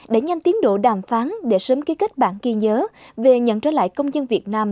để nhanh tiến độ đàm phán để sớm ký kết bản ghi nhớ về nhận trở lại công dân việt nam